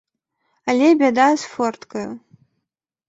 Але бяда з форткаю.